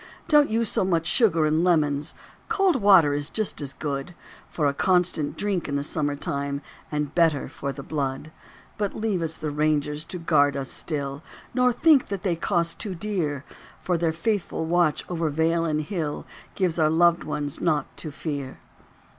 Don't use so much sugar and lemons; Cold water is just as good For a constant drink in the summer time And better for the blood. But leave us the Rangers to guard us still, Nor think that they cost too dear; For their faithful watch over vale and hill Gives our loved ones naught to fear.